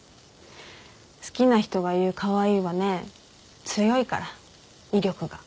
好きな人が言うカワイイはね強いから威力が。